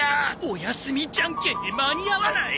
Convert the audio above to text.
おやすみジャンケンに間に合わない！